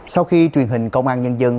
sau khi truyền hình công an nhân dân